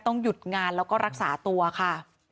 หยุดงานแล้วก็รักษาตัวค่ะ